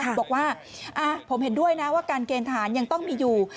บอกว่าผมเห็นด้วยนะว่าการเกณฑ์ทหารยังต้องมีอยู่